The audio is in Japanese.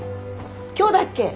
今日だっけ？